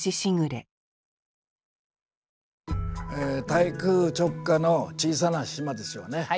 台風直下の小さな島ですよね。